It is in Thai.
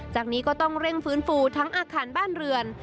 จากนี้ก็ต้องเร่งฟื้นฟูทั้งอาคารบ้านเรือน